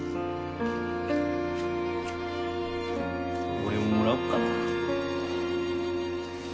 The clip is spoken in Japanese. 俺ももらおっかな。